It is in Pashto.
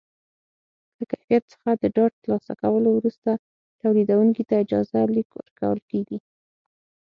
له کیفیت څخه د ډاډ ترلاسه کولو وروسته تولیدوونکي ته اجازه لیک ورکول کېږي.